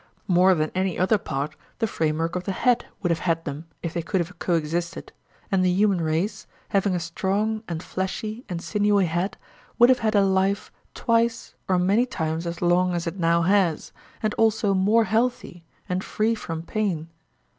More than any other part the framework of the head would have had them, if they could have co existed, and the human race, having a strong and fleshy and sinewy head, would have had a life twice or many times as long as it now has, and also more healthy and free from pain.